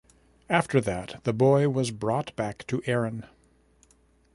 After that the boy was brought back to Erin.